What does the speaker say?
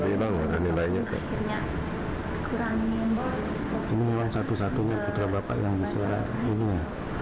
ini memang satu satunya putra bapak yang bisa umum